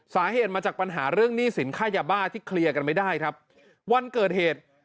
สาเหตุมาจากปัญหาเรื่องหนี้สินค่ายาบ้าที่เคลียร์กันไม่ได้ครับวันเกิดเหตุ